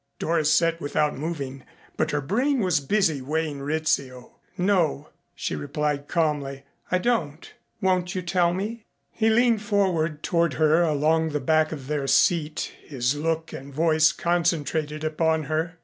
Doris sat without moving, but her brain was busy weighing Rizzio. "No," she replied calmly, "I don't. Won't you tell me?" He leaned forward toward her along the back of their seat, his look and voice concentrated upon her.